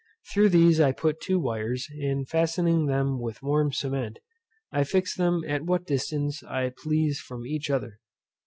Through these I put two wires, and fastening them with warm cement, I fix them at what distance I please from each other.